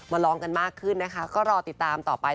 ร้องกันมากขึ้นนะคะก็รอติดตามต่อไป